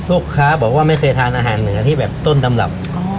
ลูกค้าบอกว่าไม่เคยทานอาหารเหนือที่แบบต้นตำรับ